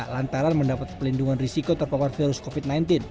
lantaran mendapat pelindungan risiko terpapar virus covid sembilan belas